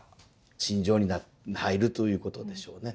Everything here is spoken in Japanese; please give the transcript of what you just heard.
心情に入るということでしょうね。